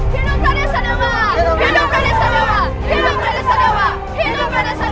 hidup pradensa dewa hidup pradensa dewa